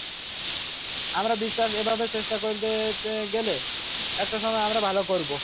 আমার বিশ্বাস এভাবে চেষ্টা করে গেলে একটা সময়ে আমরা ভালো করব।